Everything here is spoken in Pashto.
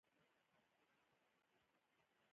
چاکلېټ له خندا سره ښه خوند کوي.